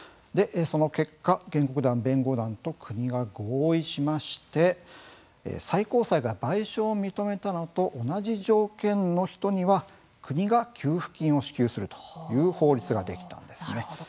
その結果、原告団・弁護団と国が合意しまして最高裁が賠償を認めたのと同じ条件の人には国が給付金を支給するという法律ができたんですね。